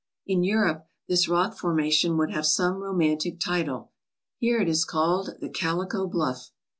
In Europe this rock formation would have some romantic title. Here it is called "The Calico Bluff."